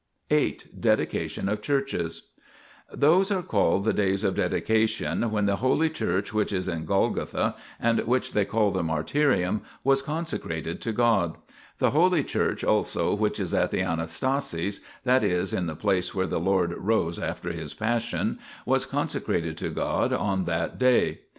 THE PILGRIMAGE OF ETHERIA 95 VIII DEDICATION OF CHURCHES l Those are called the days of dedication when the holy church which is in Golgotha, and which they call the martyrium, was consecrated to God ; the holy church also which is at the Anastasis, that is, in the place where the Lord rose after His Passion, was consecrated to God on that day.